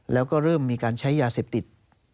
แล้วก็เริ่มมีการใช้ยาเสพติด